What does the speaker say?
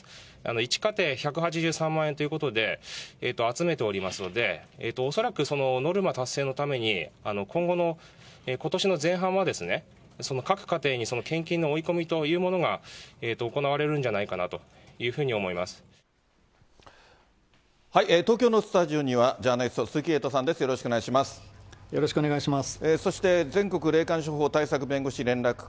１家庭１８３万円ということで、集めておりますので、恐らくそのノルマ達成のために、今後のことしの前半は、各家庭に献金の追い込みというものが行われるんじゃないかなとい東京のスタジオには、ジャーナリスト、鈴木エイトさんです、よろしくお願いします。